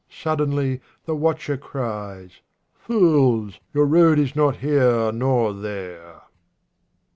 Suddenly the watcher cries, " Fools ! your road is not here nor there."